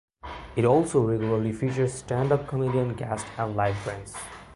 It also regularly featured stand-up comedian guests and live bands.